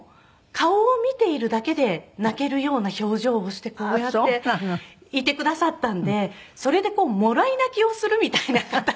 顔を見ているだけで泣けるような表情をしてこうやっていてくださったのでそれでもらい泣きをするみたいな形で。